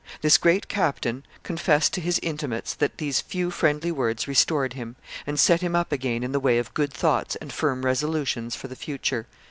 This great captain confessed to his intimates that these few friendly words restored him, and set him up again in the way of good thoughts and firm resolutions for the future."